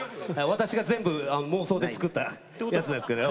私が全部妄想で作ったやつなんですけど。